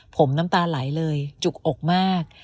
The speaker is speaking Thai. ผมน้ำตาไหลเลยจุกอกมาก